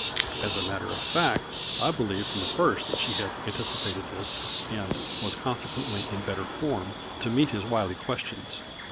As a matter of fact, I believed from the first that she had anticipated this, and was consequently in better form to meet his wily questions.